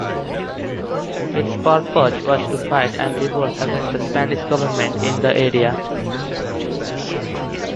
Its purpose was to fight and revolt against the Spanish Government in the area.